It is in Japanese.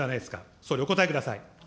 総理、お答えください。